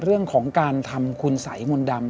เรื่องของการทำคุณสัยมนต์ดำ